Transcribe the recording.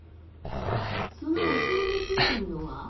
そのお尻についてるのは？